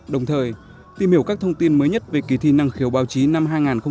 đồng thời tìm hiểu các thông tin mới nhất về kỳ thi năng khiếu báo chí năm hai nghìn một mươi chín